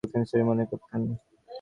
তিনি শ্রেয় মনে করতেন।